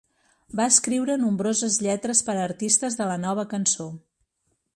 Va escriure nombroses lletres per a artistes de la Nova Cançó.